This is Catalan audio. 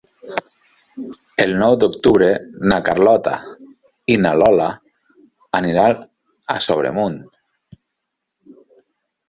El nou d'octubre na Carlota i na Lola aniran a Sobremunt.